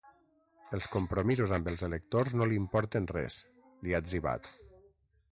Els compromisos amb els electors no l’importen res, li ha etzibat.